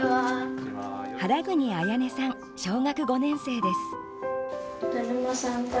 原国彩音さん、小学５年生です。